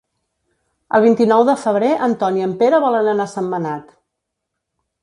El vint-i-nou de febrer en Ton i en Pere volen anar a Sentmenat.